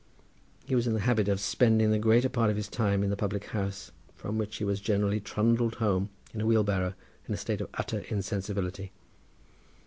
He was in the habit of spending the greater part of his time in the public house, from which he was generally trundled home in a wheelbarrow in a state of utter insensibility.